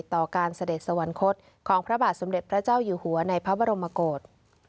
ต่อการเสด็จสวรรคตของพระบาทสมเด็จพระเจ้าอยู่หัวในพระบรมกฏ